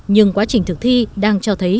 nhưng quá trình thực thi đang cho thấy